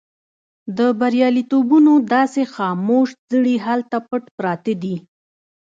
د برياليتوبونو داسې خاموش زړي هلته پټ پراته دي.